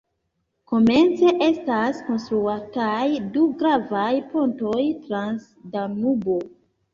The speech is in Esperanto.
Komence estas konstruataj du gravaj pontoj trans Danubo.